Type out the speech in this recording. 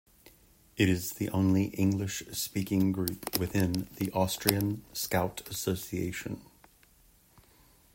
It is the only English-speaking group within the Austrian Scout association.